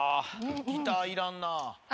「ギターいらんなあ」